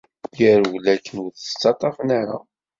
Yerwel akken ur t-ttaṭṭafen ara.